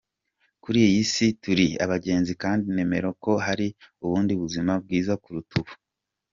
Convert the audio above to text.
Kuri iyi si turi abagenzi kandi nemera ko hari ubundi buzima bwiza kuruta ubu.